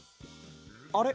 あれ？